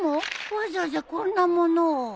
わざわざこんな物を。